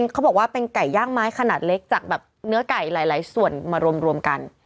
เขาบอกว่าเป็นไก่ย่างไม้ขนาดเล็กจากแบบเนื้อไก่หลายส่วนมารวมกัน